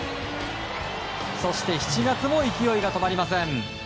そして７月も勢いが止まりません。